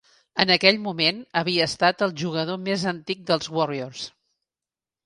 En aquell moment, havia estat el jugador més antic dels Warriors.